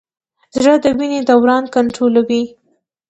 زړه د وینې دوران کنټرولوي.